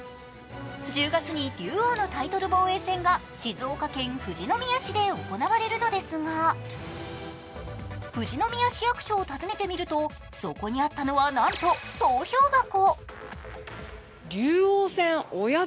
１０月に竜王のタイトル防衛戦が静岡県富士宮市で行われるのですが、富士宮市役所を訪ねてみるとそこにあったのはなんと投票箱。